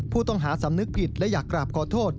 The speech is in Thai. ผู้ต้องหาสำนึกผิดและอยากกราบขอโทษ